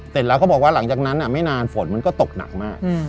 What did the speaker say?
เสร็จแล้วเขาบอกว่าหลังจากนั้นไม่นานฝนมันก็ตกหนักมาก